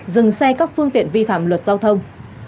dừng xe các phương tiện vi phạm luật giao thông